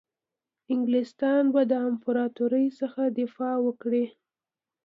انګلیسیان به د امپراطوري څخه دفاع وکړي.